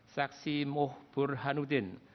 saksi moh burhanuddin